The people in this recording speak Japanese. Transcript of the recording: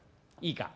いいか？